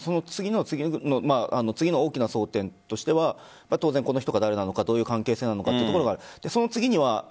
次の大きな争点としては当然、この人が誰なのかどういう関係性なのかというところ。